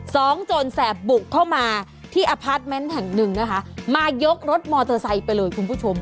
โจรแสบบุกเข้ามาที่อพาร์ทเมนต์แห่งหนึ่งนะคะมายกรถมอเตอร์ไซค์ไปเลยคุณผู้ชม